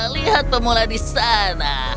lihat pemula di sana